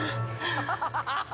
ハハハハ！